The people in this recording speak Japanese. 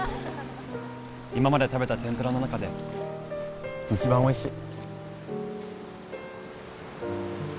今まで食べたてんぷらの中で一番おいしい。